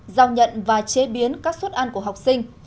giao nhận và chế biến các suất ăn của học sinh